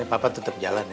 ini papa tetap jalan ya